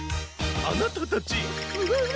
あなたたち！